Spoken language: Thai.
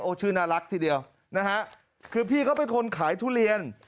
ชื่อน่ารักทีเดียวนะฮะคือพี่เขาเป็นคนขายทุเรียน